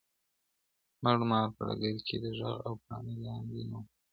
مړ مار په ډګر کي د ږغ او پاڼي لاندې نه و.